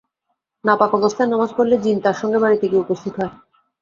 নাপাক অবস্থায় নামাজ পড়লে জিন তার সঙ্গে বাড়িতে গিয়ে উপস্থিত হয়।